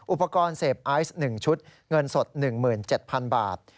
อุปกรณ์เสพไอซ์๑ชุดเงินสด๑๗๐๐๐บาท